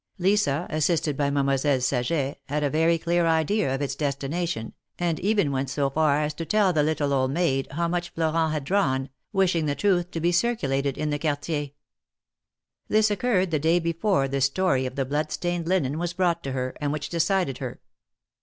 Lisa, assisted by Mademoiselle Saget, had a very clear idea of its destination, and even went so far as to tell the little old maid how much Florent had drawn, wishing the truth to be circulated in the Quartier. This occurred the day before the story of the blood stained linen was brought to her, and which decided her.